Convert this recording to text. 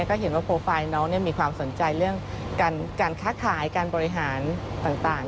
ก็เห็นว่าโปรไฟล์น้องมีความสนใจเรื่องการค้าขายการบริหารต่าง